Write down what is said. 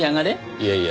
いやいや。